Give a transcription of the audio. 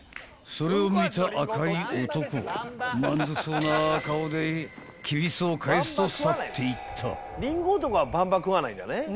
［それを見た赤い男は満足そうな顔で踵を返すと去っていった］